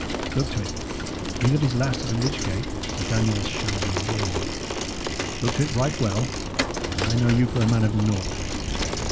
Look to it: he that is last at the lych gate Sir Daniel shall reward. Look to it right well! I know you for a man of naught.